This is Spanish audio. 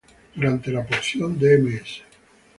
Durante la porción de Ms.